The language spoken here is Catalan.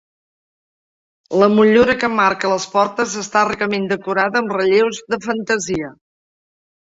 La motllura que emmarca les portes està ricament decorada amb relleus de fantasia.